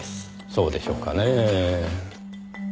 そうでしょうかねぇ。